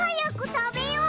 たべよう！